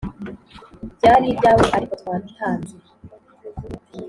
byari ibyawe ariko twabitanze.